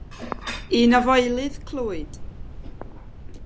Un o foelydd Clwyd.